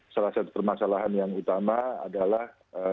salah satu permasalahan yang utama adalah